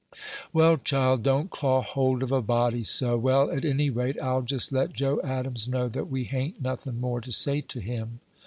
"Well, child, don't claw hold of a body so! Well, at any rate, I'll just let Joe Adams know that we hain't nothing more to say to him."